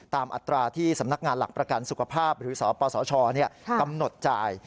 อัตราที่สำนักงานหลักประกันสุขภาพหรือสปสชกำหนดจ่าย